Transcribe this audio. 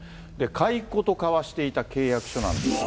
買い子と交わしていた契約書なんですが。